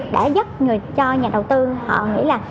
đã dắt cho nhà đầu tư họ nghĩ là